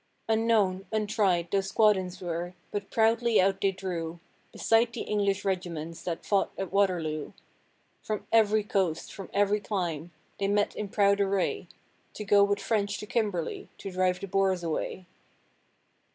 Unknown, untried, those squadrons were, but proudly out they drew Beside the English regiments that fought at Waterloo. From every coast, from every clime, they met in proud array, To go with French to Kimberley to drive the Boers away.